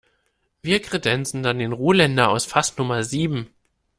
Wir kredenzen dann den Ruländer aus Fass Nummer sieben.